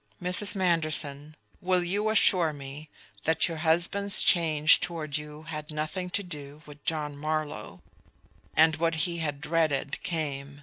"Mrs. Manderson, will you assure me that your husband's change toward you had nothing to do with John Marlowe?" And what he had dreaded came.